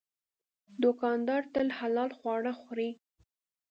دوکاندار تل حلال خواړه خوري.